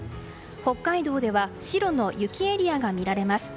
北海道では白の雪エリアが見られます。